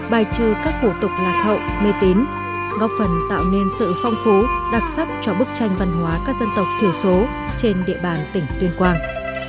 bài trừ các hủ tục lạc hậu mê tín góp phần tạo nên sự phong phú đặc sắc cho bức tranh văn hóa các dân tộc thiểu số trên địa bàn tỉnh tuyên quang